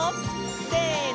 せの！